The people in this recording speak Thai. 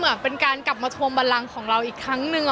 เหมือนเป็นการกลับมาทวงบันลังของเราอีกครั้งนึง